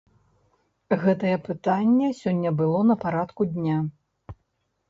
Гэтае пытанне сёння было на парадку дня.